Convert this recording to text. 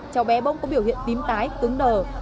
cháu bé bông có biểu hiện tím tái cứng nờ